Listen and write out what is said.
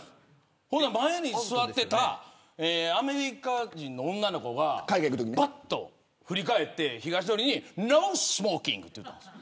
そしたら前に座ってたアメリカ人の女の子がばっと振り返って、ひがしのりにノースモーキングって言ったんです。